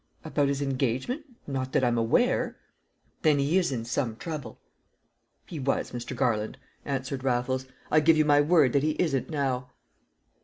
"About his engagement not that I'm aware." "Then he is in some trouble?" "He was, Mr. Garland," answered Raffles. "I give you my word that he isn't now."